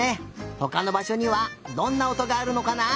ほかのばしょにはどんなおとがあるのかな？